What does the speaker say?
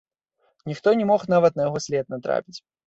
Ніхто не мог нават на яго след натрапіць.